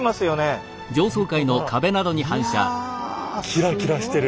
キラキラしてる。